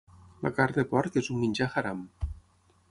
La carn de porc és un menjar haram.